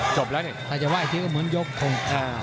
จบแล้วนี่ถ้าจะว่าอย่างนี้ก็เหมือนยกคง